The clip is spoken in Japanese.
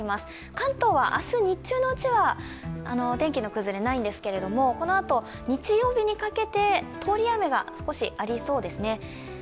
関東は明日、日中のうちは天気の崩れないんですけどこのあと日曜日にかけて通り雨が少しありそうですね。